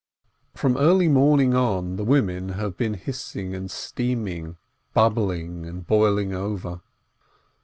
From early morning on the women have been hiss ing and steaming, bubbling and boiling over.